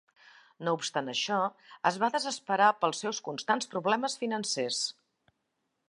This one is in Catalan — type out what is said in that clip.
No obstant això, es va desesperar pels seus constants problemes financers.